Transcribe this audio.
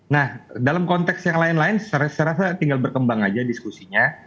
nah dalam konteks yang lain lain saya rasa tinggal berkembang aja diskusinya